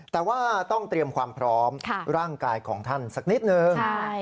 แต่ว่าต้องเตรียมความพร้อมร่างกายของท่านสักนิดนึง